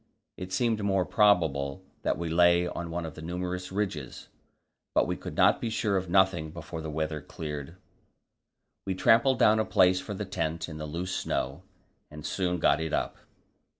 It seemed more probable that we lay on one of the numerous ridges; but we could be sure of nothing before the weather cleared. We trampled down a place for the tent in the loose snow, and soon got it up.